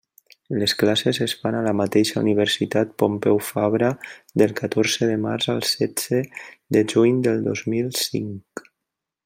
Les classes es fan a la mateixa Universitat Pompeu Fabra del catorze de març al setze de juny del dos mil cinc.